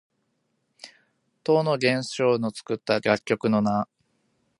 唐の玄宗の作った楽曲の名。